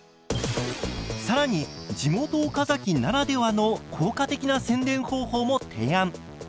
更に地元・岡崎ならではの効果的な宣伝方法も提案！